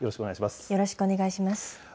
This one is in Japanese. よろしくお願いします。